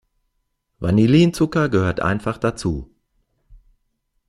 Vanillinzucker gehört einfach dazu.